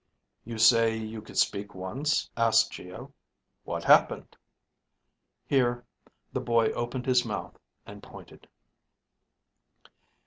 "You say you could speak once?" asked Geo. "What happened?" Here the boy opened his mouth and pointed.